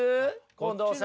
近藤さん。